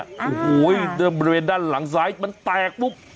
โอ้โหบริเวณด้านหลังซ้ายมันแตกปุ๊บ